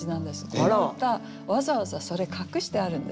この歌わざわざそれ隠してあるんです。